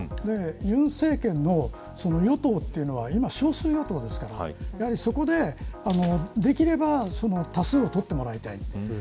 尹政権の与党というのは少数与党ですからそこでできれば多数を取ってもらいたい。